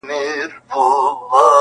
د ژوند معنا ګډوډه کيږي تل,